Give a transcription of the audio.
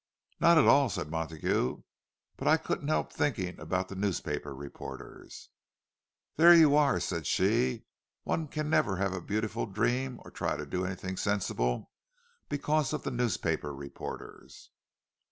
"Not at all!" said Montague. "But I couldn't help thinking about the newspaper reporters—" "There you are!" said she. "One can never have a beautiful dream, or try to do anything sensible—because of the newspaper reporters!"